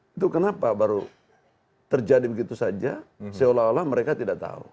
itu kenapa baru terjadi begitu saja seolah olah mereka tidak tahu